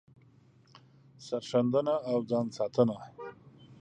سر ښندنه او ځان ساتنه